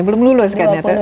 belum lulus kan